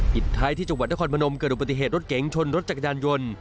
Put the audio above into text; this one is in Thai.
ปิดท้ายที่จังหวัดนครพนมเกิดอุบัติเหตุรถเก๋งชนรถจักรยานยนต์